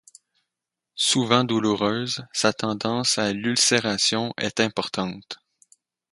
Souvent douloureuse, sa tendance à l’ulcération est importante.